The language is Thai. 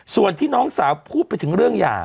ส่วนที่น้องสาวพูดไปถึงเรื่องหย่า